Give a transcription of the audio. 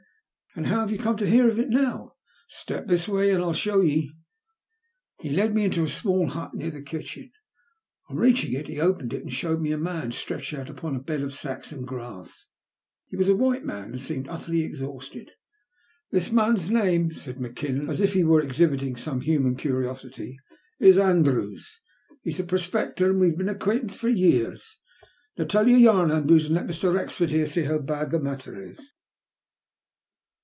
" And how have you come to hear of it now?" " Step this way an' I'll show ye." He led me to a small hut near the kitchen. On reaching it, he opened it and showed me a man stretched out itpon a bed of sacks and grass. He was a white man, and seemed utterly exhausted. " This man's name," said Mackinnon, as if he were exhibiting some human curiosity, is Andrews. He's a prospector, and we've been acquent for years. Now tell your yarn, Andrews, and let Mr. Wrexford here see how bad the matter is."